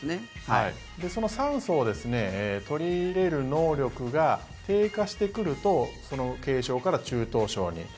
その酸素を取り入れる能力が低下してくると軽症から中等症に